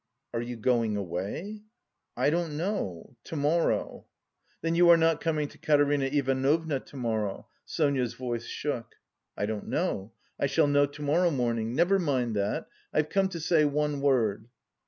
"Are you... going away?" "I don't know... to morrow...." "Then you are not coming to Katerina Ivanovna to morrow?" Sonia's voice shook. "I don't know. I shall know to morrow morning.... Never mind that: I've come to say one word...."